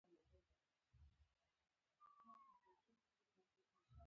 مور یې ما ته راولېږه چې د زوی نښه یې ساتی.